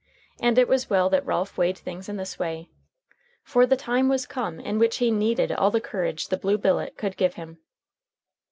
And it was well that Ralph weighed things in this way. For the time was come in which he needed all the courage the blue billet could give him.